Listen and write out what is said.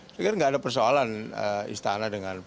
jadi kan nggak ada persoalan istana dengan pak